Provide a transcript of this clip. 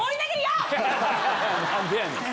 何でやねん！